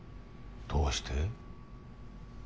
どうして？